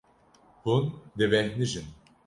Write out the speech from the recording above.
Hûn dibêhnijin.